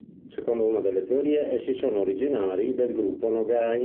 Secondo una delle teorie, essi sono originari del gruppo Nogai.